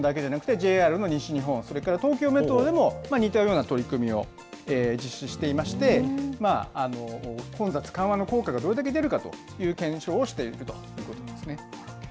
ＪＲの西日本、それから東京メトロでも、似たような取り組みを実施していまして、混雑緩和の効果がどれだけ出るかという検証をしていくということなんですね。